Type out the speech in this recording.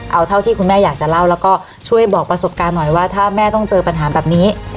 เอาเท่าที่คุณแม่อยากจะเล่าแล้วก็ช่วยบอกประสบการณ์หน่อยว่าถ้าแม่ต้องเจอปัญหาแบบนี้